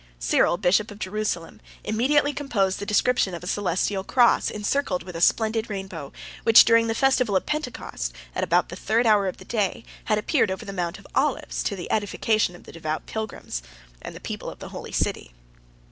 88 Cyril, bishop of Jerusalem, immediately composed the description of a celestial cross, encircled with a splendid rainbow; which during the festival of Pentecost, about the third hour of the day, had appeared over the Mount of Olives, to the edification of the devout pilgrims, and the people of the holy city.